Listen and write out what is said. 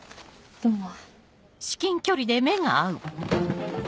どうも。